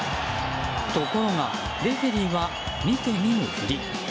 ところが、レフェリーは見て見ぬふり。